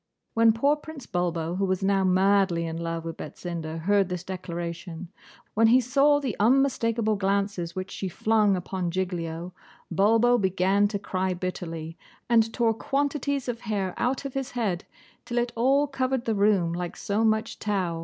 When poor Prince Bulbo, who was now madly in love with Betsinda, heard this declaration, when he saw the unmistakable glances which she flung upon Giglio, Bulbo began to cry bitterly, and tore quantities of hair out of his head, till it all covered the room like so much tow.